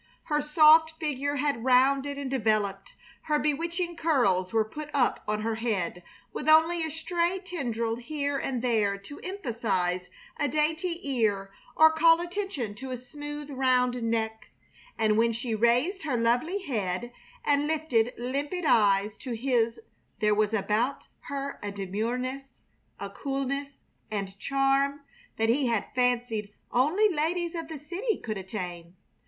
Her soft figure had rounded and developed, her bewitching curls were put up on her head, with only a stray tendril here and there to emphasize a dainty ear or call attention to a smooth, round neck; and when she raised her lovely head and lifted limpid eyes to his there was about her a demureness, a coolness and charm that he had fancied only ladies of the city could attain.